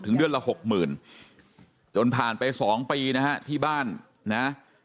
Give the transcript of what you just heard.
เดือนละหกหมื่นจนผ่านไป๒ปีนะฮะที่บ้านนะ